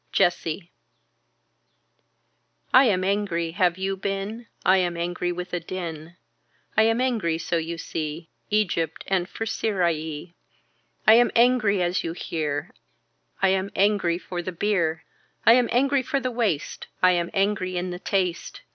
Jessie I am angry. Have you been. I am angry with a din. I am angry so you see. Egypt and for Syrie. I am angry as you hear. I am angry for the bier. I am angry for the waist. I am angry in the taste.